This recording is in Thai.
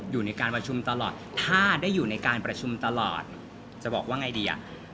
อยู่ในการประชุมตลอดถ้าได้อยู่ในการประชุมตลอดจะบอกว่าไงดีอ่ะ